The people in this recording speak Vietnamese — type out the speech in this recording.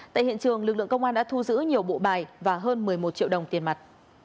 tại hiện trường lực lượng công an đã thu giữ nhiều bộ bài và hơn một mươi một triệu đồng tiền mặt